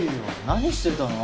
何してたの？